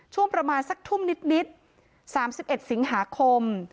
ช่วงประมาณสักทุ่มนิดนิดสามสิบเอ็ดสิงหาคม